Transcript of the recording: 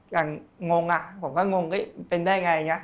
อย่างงงอ่ะผมก็งงเป็นได้ไง